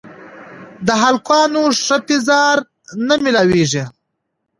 د هلکانو ښه پېزار نه مېلاوېږي